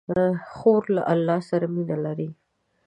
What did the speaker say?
خور له الله سره مینه لري.